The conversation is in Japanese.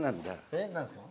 えっ何ですか？